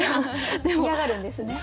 嫌がるんですね。